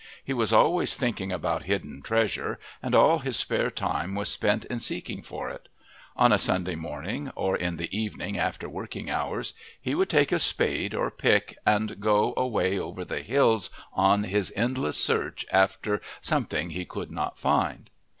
He was always thinking about hidden treasure, and all his spare time was spent in seeking for it. On a Sunday morning, or in the evening after working hours, he would take a spade or pick and go away over the hills on his endless search after "something he could not find."